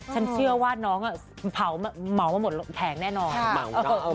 ฉันเชื่อว่าน้องเผามาหม่อหมดแถงแน่นอน